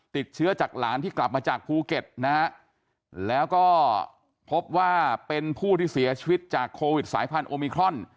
ติดเชื้อจากหลานที่กลับมาจากภูเก็ตนะฮะแล้วก็พบว่าเป็นผู้ที่เสียชีวิตจากโควิดสายพันธุมิครอน